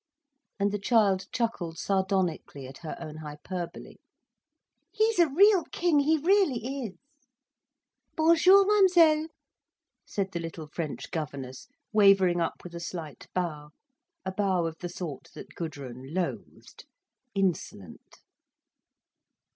And the child chuckled sardonically at her own hyperbole. "He's a real king, he really is." "Bonjour, Mademoiselle," said the little French governess, wavering up with a slight bow, a bow of the sort that Gudrun loathed, insolent.